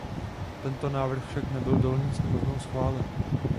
Tento návrh však nebyl Dolní sněmovnou schválen.